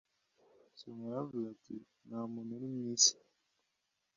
Salomo yaravuze ati “nta muntu uri mu isi